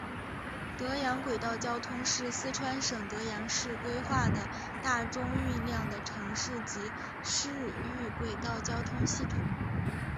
德阳轨道交通是四川省德阳市规划的大中运量的城市及市域轨道交通系统。